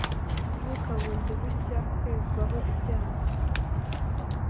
kuvuka bundi bushya, kwezwaho ibyaha,